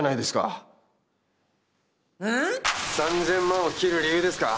３，０００万を切る理由ですか？